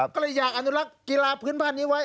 ก็เลยอยากอนุรักษ์กีฬาพื้นบ้านนี้ไว้